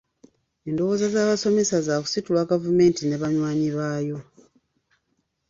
Endowooza z'abasomesa zaakusitulwa gavumenti ne banywanyi baayo.